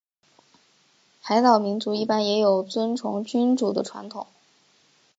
海岛民族一般也有尊崇君主的传统。